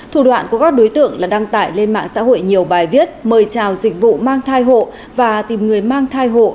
thủ đoạn của các đối tượng là đăng tải lên mạng xã hội nhiều bài viết mời chào dịch vụ mang thai hộ và tìm người mang thai hộ